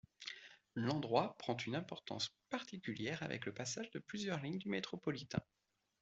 L'endroit prend une importance particulière avec le passage de plusieurs lignes du métropolitain.